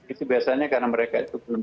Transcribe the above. itu biasanya karena mereka itu belum